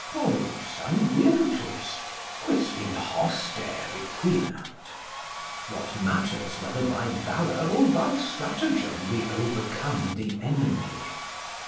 "Dolus, an virtus, quis in hoste requirat?" ["What matters whether by valour or by strategem we overcome the enemy?"